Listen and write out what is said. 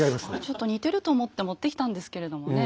ちょっと似てると思って持ってきたんですけれどもね。